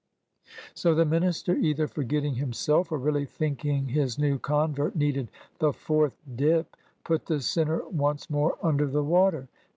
7 ' So the minister, either forgetting himself, or really thinking his new convert needed the fourth dip, put the sinner once more under the water.